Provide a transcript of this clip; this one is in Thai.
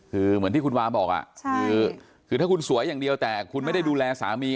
คือเหมือนที่คุณวาบอกคือถ้าคุณสวยอย่างเดียวแต่คุณไม่ได้ดูแลสามี